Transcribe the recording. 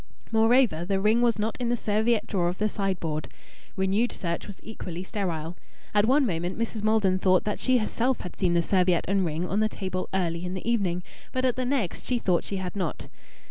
Moreover, the ring was not in the serviette drawer of the sideboard. Renewed search was equally sterile.... At one moment Mrs. Maldon thought that she herself had seen the serviette and ring on the table early in the evening; but at the next she thought she had not.